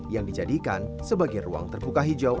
yang dijadikan sebagai ruang terbuka hijau